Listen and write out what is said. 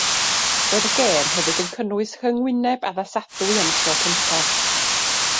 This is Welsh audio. Roedd y gêm hefyd yn cynnwys rhyngwyneb addasadwy am y tro cyntaf.